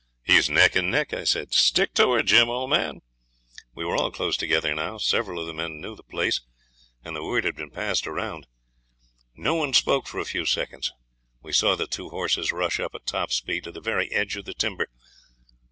'He's neck and neck,' I said. 'Stick to her, Jim, old man!' We were all close together now. Several of the men knew the place, and the word had been passed round. No one spoke for a few seconds. We saw the two horses rush up at top speed to the very edge of the timber.